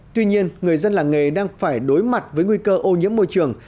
tuy nhiên người dân làng nghề đang phải đối mặt với nguy cơ ô nhiễm môi trường